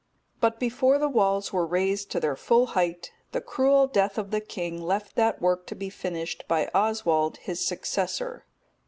But before the walls were raised to their full height, the cruel death(235) of the king left that work to be finished by Oswald his successor.